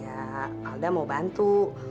ya alda mau bantu